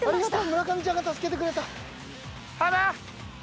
村上ちゃんが助けてくれた。